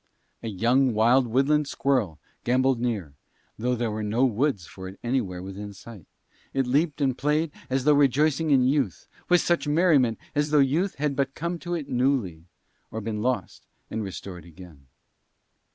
A young, wild, woodland squirrel gambolled near, though there were no woods for it anywhere within sight: it leaped and played as though rejoicing in youth, with such merriment as though youth had but come to it newly or been lost and restored again.